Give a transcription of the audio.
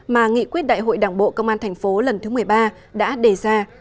mà nghị quyết đại hội đảng bộ công an tp lần thứ một mươi ba đã đề ra